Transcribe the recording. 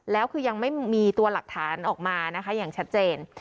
แล้วคือยังไม่มีตัวหลักฐานออกมานะคะอย่างชัดเจน